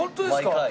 毎回？